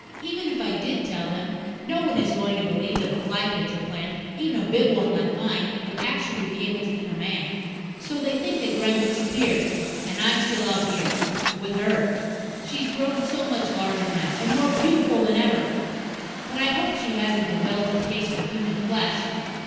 Even if I did tell them, no one is going to believe that a fly catcher plant even a big one like mine would actually be able to eat a man. So they think that Gremm disappeared. And I'm still out here with her. She's grown so much larger now, and more beautiful than ever. But I hope she hasn't developed a taste for human flesh.